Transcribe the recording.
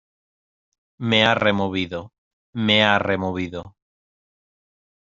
me ha removido. me ha removido .